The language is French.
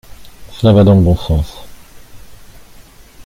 Cela va dans le bon sens.